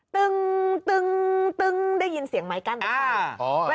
ตึงได้ยินเสียงไม้กั้นหรือเปล่า